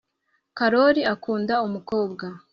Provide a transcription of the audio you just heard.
karori akunda umukobwa